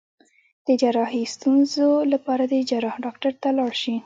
د جراحي ستونزو لپاره د جراح ډاکټر ته لاړ شئ